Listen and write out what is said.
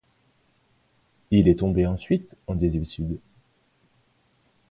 Il est tombé ensuite en désuétude.